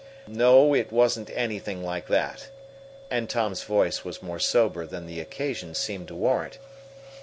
"No, it wasn't anything like that," and Tom's voice was more sober than the occasion seemed to warrant.